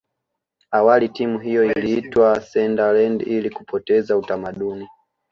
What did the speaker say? awali timu hiyo iliitwa sunderland ili kupoteza utamaduni